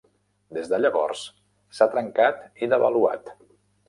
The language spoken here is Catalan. Des de llavors s'ha trencat i devaluat.